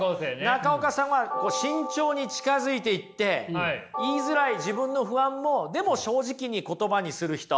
中岡さんは慎重に近づいていって言いづらい自分の不安もでも正直に言葉にする人。